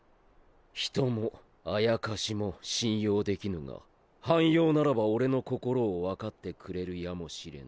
人も妖も信用できぬが半妖ならば俺の心をわかってくれるやもしれぬ。